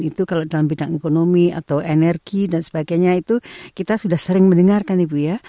itu kalau dalam bidang ekonomi atau energi dan sebagainya itu kita sudah sering mendengarkan ibu ya